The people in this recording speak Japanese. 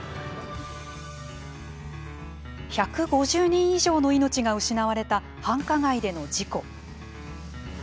１５０人以上の命が失われた繁華街での事故。